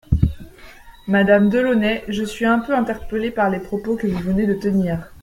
Madame Delaunay, je suis un peu interpellée par les propos que vous venez de tenir.